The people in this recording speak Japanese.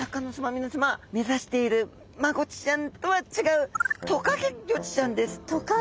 皆さま目指しているマゴチちゃんとは違うトカゲゴチちゃんです。